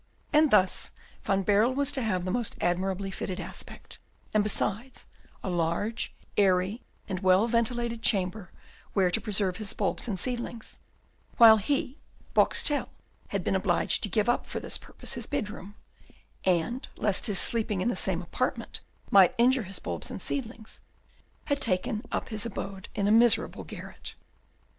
And thus Van Baerle was to have the most admirably fitted aspect, and, besides, a large, airy, and well ventilated chamber where to preserve his bulbs and seedlings; while he, Boxtel, had been obliged to give up for this purpose his bedroom, and, lest his sleeping in the same apartment might injure his bulbs and seedlings, had taken up his abode in a miserable garret.